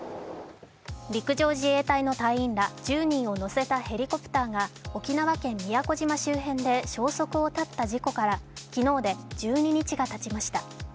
陸上自衛隊の隊員ら１０人を乗せたヘリコプターが沖縄県・宮古島周辺で消息を絶った事故から昨日で１２日がたちました。